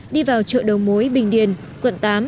đi vào chợ đầu mối bình điền quận tám